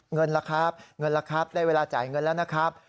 เงินล่ะครับเงินล่ะครับได้เวลาจ่ายเงินแล้วนะครับ